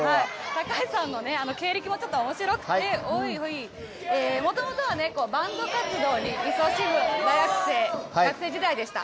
高橋さんの経歴もちょっとおもしろくて、もともとはね、バンド活動にいそしむ大学生、学生時代でした。